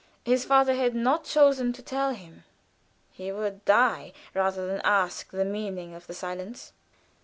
His father had not chosen to tell him; he would die rather than ask the meaning of the silence.